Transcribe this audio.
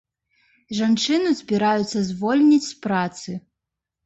Жанчыну збіраюцца звольніць з працы.